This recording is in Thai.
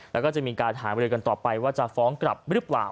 แล้วก็จะมีการหาบริกันต่อไปว่าจะฟ้องกลับหรือเปล่า